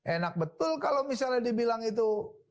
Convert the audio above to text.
enak betul kalau misalnya dibilang itu